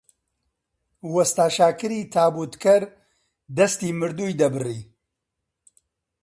وەستا شاکری تابووتکەر دەستی مردووی دەبڕی!